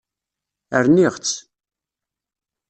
Rniɣ-tt.